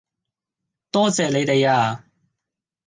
多謝你哋呀